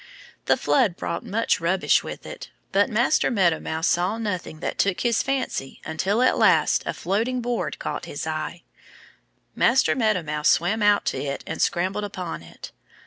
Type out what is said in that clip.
The flood brought much rubbish with it. But Master Meadow Mouse saw nothing that took his fancy until at last a floating board caught his eye. Master Meadow Mouse swam out to it and scrambled upon it.